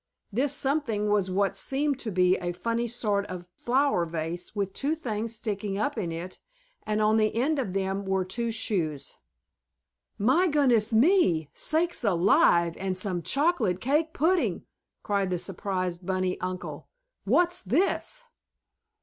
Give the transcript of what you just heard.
This something was what seemed to be a funny sort of flower vase, with two things sticking up in it, and on the end of them were two shoes. "My goodness me, sakes alive and some chocolate cake pudding!" cried the surprised bunny uncle. "What's this?"